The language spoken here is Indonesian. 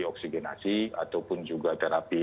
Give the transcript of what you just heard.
oksigenasi ataupun juga terapi